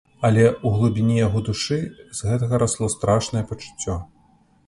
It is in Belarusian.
Але ў глыбіні яго душы з гэтага расло страшнае пачуццё.